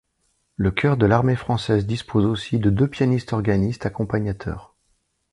Le chœur de l'Armée française dispose aussi de deux pianistes-organistes accompagnateurs.